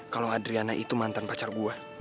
kalau adriana itu mantan pacar buah